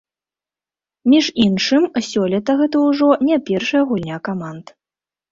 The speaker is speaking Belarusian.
Між іншым, сёлета гэта ўжо не першая гульня каманд.